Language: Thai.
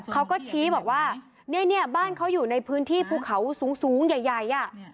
เขาก็ชี้บอกว่าเนี่ยบ้านเขาอยู่ในพื้นที่ภูเขาสูงใหญ่อ่ะ